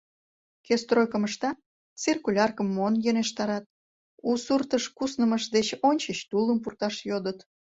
Кӧ стройкым ышта — циркуляркым монь йӧнештарат, у суртыш куснымышт деч ончыч тулым пурташ йодыт.